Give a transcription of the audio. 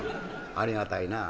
「ありがたいなぁ。